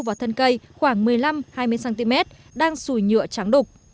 vào thân cây khoảng một mươi năm hai mươi cm đang sùi nhựa trắng đục